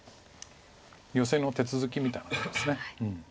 ヨセの手続きみたいなもんです。